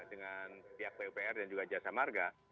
dengan pihak pupr dan juga jasa marga